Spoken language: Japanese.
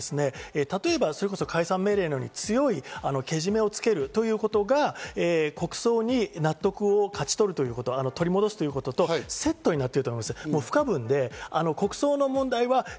例えば解散命令のように強いけじめをつけるということが国葬に納得を勝ち取るということ、取り戻すということとセットになってると思います。